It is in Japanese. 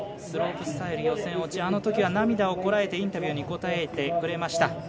スロープスタイル予選落ち、あのときは涙をこらえてインタビューに答えてくれました。